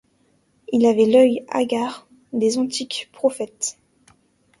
Il avait l'oeil hagard des antiques prophètes.